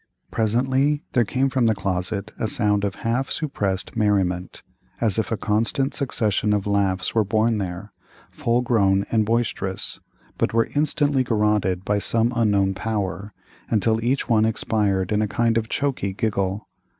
Presently there came from the closet a sound of half suppressed merriment, as if a constant succession of laughs were born there, full grown and boisterous, but were instantly garroted by some unknown power, until each one expired in a kind of choky giggle.